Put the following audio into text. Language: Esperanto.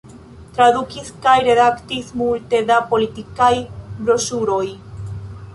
Tradukis kaj redaktis multe da politikaj broŝuroj.